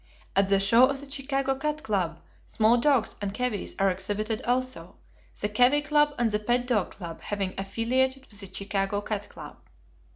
At the show of the Chicago Cat Club, small dogs and cavies are exhibited also, the Cavy Club and the Pet Dog Club having affiliated with the Chicago Cat Club.